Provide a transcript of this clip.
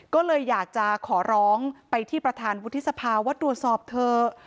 ก็เลยอยากจะขอร้องไปที่ประธานวุฒิสภาว่าตรวจสอบเถอะ